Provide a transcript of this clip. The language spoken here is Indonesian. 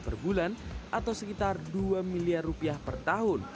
per bulan atau sekitar dua miliar rupiah per tahun